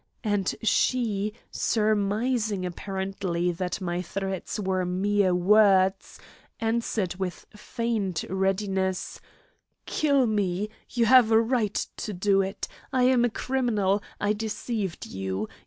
And she, surmising apparently that my threats were mere words, answered with feigned readiness: "Kill me! You have a right to do it! I am a criminal. I deceived you.